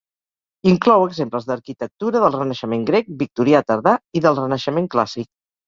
Inclou exemples d'arquitectura del Renaixement Grec, Victorià tardà i del Renaixement Clàssic.